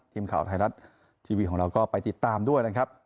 ทีมข่าวไทยรัฐทีวีของเราก็ไปติดตามด้วยนะครับ